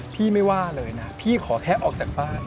พี่ไม่ว่าเลยนะพี่ขอแค่ออกจากบ้าน